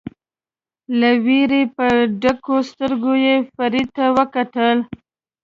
له وېرې په ډکو سترګو یې فرید ته وکتل.